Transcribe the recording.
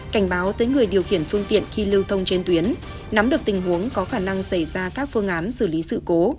cảnh báo tới người điều khiển phương tiện khi lưu thông trên tuyến nắm được tình huống có khả năng xảy ra các phương án xử lý sự cố